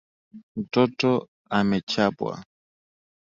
Mtoto amechapwa.